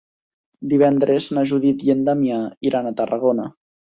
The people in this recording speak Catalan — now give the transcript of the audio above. Divendres na Judit i en Damià iran a Tarragona.